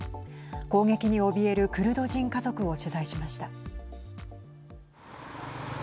攻撃におびえるクルド人家族を取材しました。